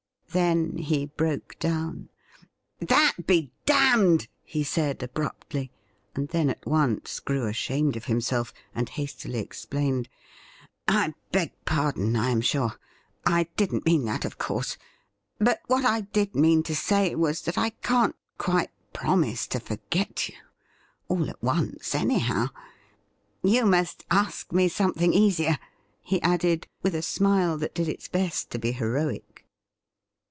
Then he broke down. ' That be !' he said abruptly, and then at once grew ashamed of himself, and hastily explained. 'I beg pardon, I am sure — I didn't mean that, of course — ^but what I did mean to say was that I can't quite promise to forget you — all at once, anyhow. You must ask me some thing easier,' he added, with a smile that did its best to be heroic.